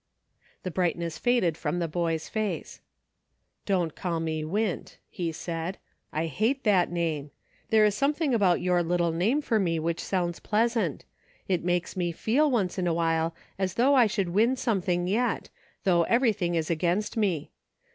The brightness faded from the boy's face. " Don't call me Wint," he said ;" I hate that name. There is something about your little name for me which sounds pleas? r.t. It makes me feel, once in a while, as though i should win something yet, though everything is against me.